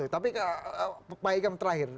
tapi pak ikem terakhir